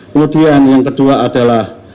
kemudian yang kedua adalah